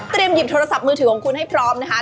หยิบโทรศัพท์มือถือของคุณให้พร้อมนะคะ